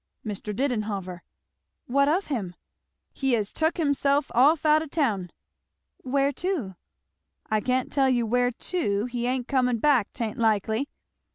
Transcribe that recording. "Mr. Didenhover." "What of him?" "He has tuk himself off out o" town." "Where to?" "I can't tell you where teu he ain't coming back, 'tain't likely."